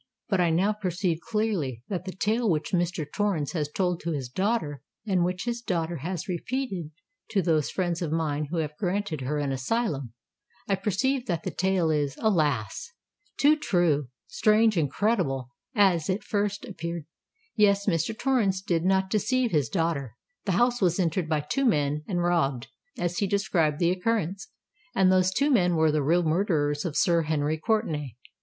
But I now perceive clearly that the tale which Mr. Torrens has told to his daughter, and which his daughter has repeated to those friends of mine who have granted her an asylum,—I perceive that this tale is, alas! too true, strange and incredible as it at first appeared. Yes: Mr. Torrens did not deceive his daughter! The house was entered by two men and robbed, as he described the occurrence—and those two men were the real murderers of Sir Henry Courtenay!